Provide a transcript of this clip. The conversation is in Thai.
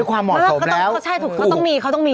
ใช่ใช่เขาต้องมี